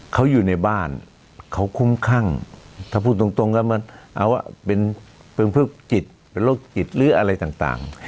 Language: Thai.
เขาอยู่ในบ้านเขาคุ้มครั่งถ้าพูดตรงก็มันเอาเป็นพวกจิตเป็นโรคจิตหรืออะไรต่าง